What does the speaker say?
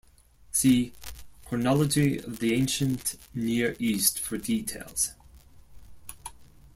See Chronology of the Ancient Near East for details.